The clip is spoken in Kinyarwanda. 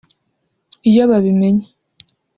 Iyo babimenya